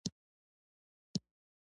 پیلوټ د سفر مقصد درک کوي.